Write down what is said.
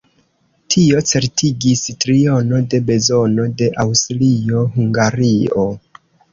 Tio certigis triono de bezono de Aŭstrio-Hungario.